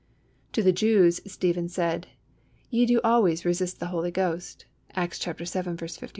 To the Jews, Stephen said: "Ye do always resist the Holy Ghost" (Acts vii.